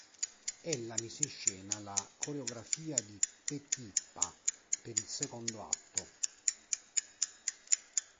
Ella mise in scena la coreografia di Petipa per il secondo atto.